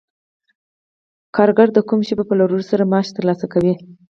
کارګر د کوم شي په پلورلو سره معاش ترلاسه کوي